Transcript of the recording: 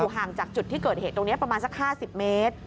ห่างจากจุดที่เกิดเหตุตรงนี้ประมาณสัก๕๐เมตร